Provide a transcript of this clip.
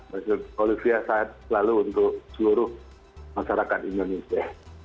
bapak iza fadri sehat selalu untuk seluruh masyarakat indonesia